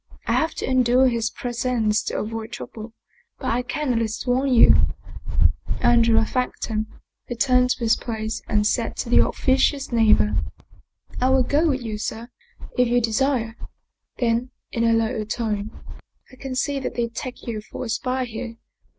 I have to endure his presence to avoid trouble, but I can at least warn you" Andrea thanked him, returned to his place and said to his officious neighbor, " I will go with you, sir, if you desire." Then in a lower tone, " I can see that they take you for a spy here.